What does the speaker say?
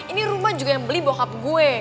ini rumah juga yang beli bokap gue